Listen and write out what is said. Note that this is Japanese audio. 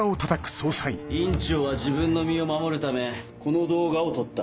院長は自分の身を守るためこの動画を撮った。